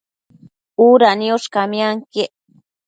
Uda niosh camianquiec